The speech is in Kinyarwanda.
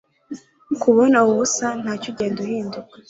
kubona ubusa ntacyo ugenda uhinduka